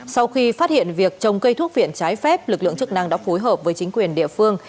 sau khi phát hiện việc trồng cây thuốc viện trái phép lực lượng chức năng đã phối hợp với chính quyền địa phương